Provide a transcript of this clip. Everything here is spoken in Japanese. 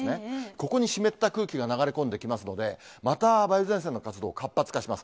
ここに湿った空気が流れ込んできますので、また梅雨前線の活動、活発化します。